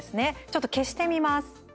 ちょっと消してみます。